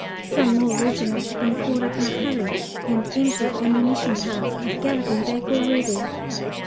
Some more regiments have been called up in a hurry, and empty ammunition carts are galloping back already.